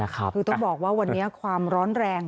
คือต้องบอกว่าวันนี้ความร้อนแรง